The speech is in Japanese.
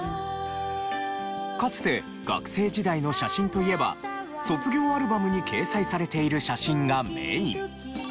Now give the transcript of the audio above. かつて学生時代の写真といえば卒業アルバムに掲載されている写真がメイン。